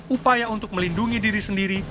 upaya untuk melindungi diri sendiri